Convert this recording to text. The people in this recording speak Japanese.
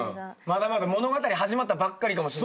まだまだ物語始まったばっかりかもしんないっすからね。